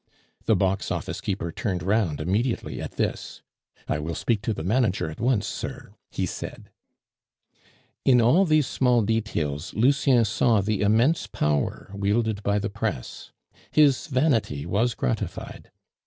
The box office keeper turned round immediately at this. "I will speak to the manager at once, sir," he said. In all these small details Lucien saw the immense power wielded by the press. His vanity was gratified.